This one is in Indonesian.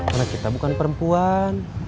karena kita bukan perempuan